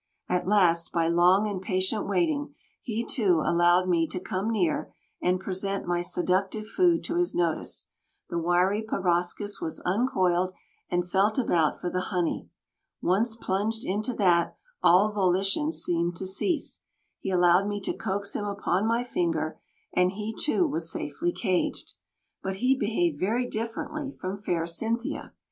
At last, by long and patient waiting, he, too, allowed me to come near and present my seductive food to his notice the wiry proboscis was uncoiled and felt about for the honey; once plunged into that, all volition seemed to cease, he allowed me to coax him upon my finger, and he, too, was safely caged; but he behaved very differently from "fair Cynthia."